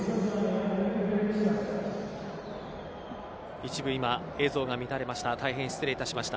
一部、今、映像が乱れました。